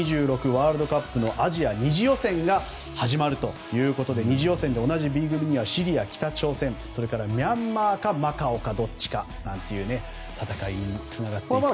ワールドカップのアジア２次予選が始まるということで２次予選と同じＢ組にはシリア、北朝鮮、それからミャンマーかマカオかどちらかという戦いにつながっていくと。